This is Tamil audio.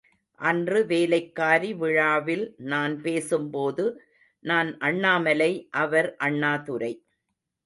அன்று வேலைக்காரி விழாவில் நான் பேசும்போது, நான் அண்ணாமலை அவர் அண்ணாதுரை.